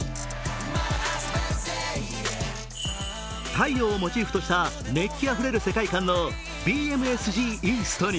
太陽をモチーフとした熱気あふれる世界観のＢＭＳＧＥＡＳＴに